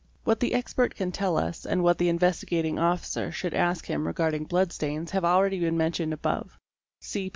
What the expert can tell us and what the Investigating Officer should ask him regarding blood stains have already been mentioned above (see p.